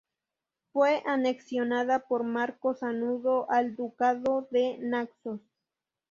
Fue anexionada por Marco Sanudo al Ducado de Naxos.